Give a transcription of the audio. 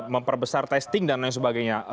memperbesar testing dan lain sebagainya